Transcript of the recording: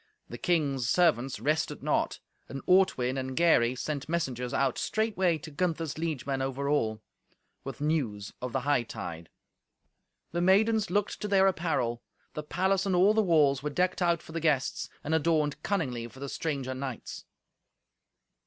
The king's servants rested not. And Ortwin and Gary sent messengers out straightway to Gunther's liegemen over all, with news of the hightide. The maidens looked to their apparel. The palace and all the walls were decked out for the guests, and adorned cunningly for the stranger knights.